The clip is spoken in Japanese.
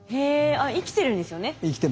あっ生きてるんですよね？